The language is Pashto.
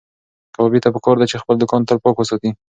کبابي ته پکار ده چې خپل دوکان تل پاک وساتي.